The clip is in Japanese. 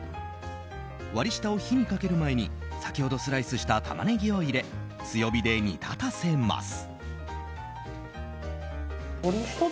割り下を火にかける前に先ほどスライスしたタマネギを入れ強火で煮立たせます。